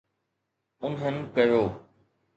انهن ڪيو.